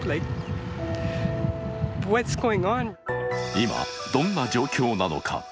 今、どんな状況なのか。